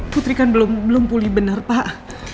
putri kan belum pulih benar pak